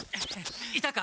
いたか？